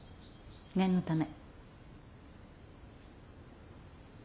念のため。